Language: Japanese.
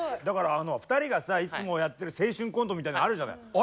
だから２人がさいつもやってる青春コントみたいなのあるじゃない。